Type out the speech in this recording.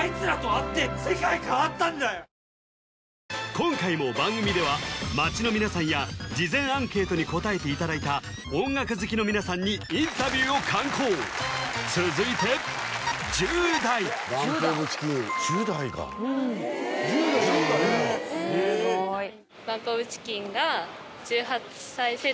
今回も番組では街の皆さんや事前アンケートに答えていただいた音楽好きの皆さんにインタビューを敢行続いて１０代とかそういうのがことができるようになったなって思います